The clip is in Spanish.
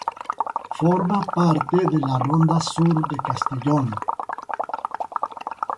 Forma parte de la Ronda Sur de Castellón.